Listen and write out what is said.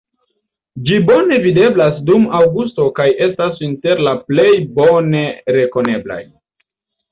Ĝi bone videblas dum aŭgusto kaj estas inter la plej bone rekoneblaj.